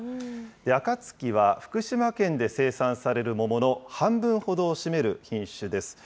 あかつきは福島県で生産される桃の半分ほどを占める品種です。